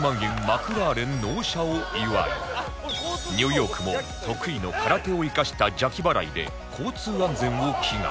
マクラーレン納車を祝いニューヨークも得意の空手を生かした邪気払いで交通安全を祈願